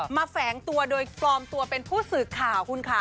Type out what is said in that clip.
แฝงตัวโดยปลอมตัวเป็นผู้สื่อข่าวคุณค่ะ